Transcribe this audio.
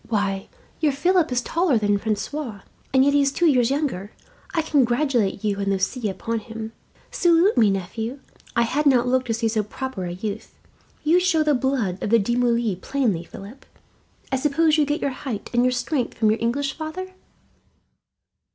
Why, your Philip is taller than Francois, and yet he is two years younger. I congratulate you and Lucie upon him. "Salute me, nephew. I had not looked to see so proper a youth. You show the blood of the De Moulins plainly, Philip. I suppose you get your height and your strength from your English father?"